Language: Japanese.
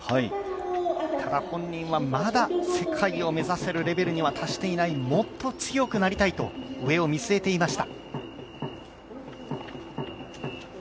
ただ本人はまだ世界を目指せるレベルには達していないもっと強くなりたいと上を見据えていました。